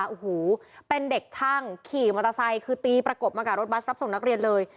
โอ้โหเป็นเด็กช่างขี่มอเตอร์ไซค์คือตีประกบมากับรถบัสรับส่งนักเรียนเลย